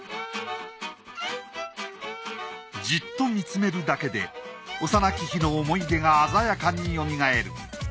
じっと見つめるだけで幼き日の思い出が鮮やかによみがえる。